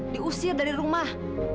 diusir dari rumah